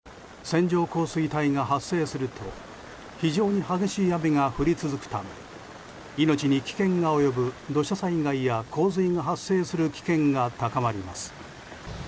線状降水帯が発生すると非常に激しい雨が降り続くため命に危険が及ぶ土砂災害や洪水が発生する危険が高まります。